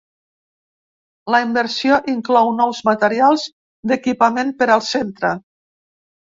La inversió inclou nous materials d’equipament per al centre.